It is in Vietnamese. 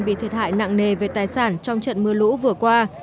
bị thiệt hại nặng nề về tài sản trong trận mưa lũ vừa qua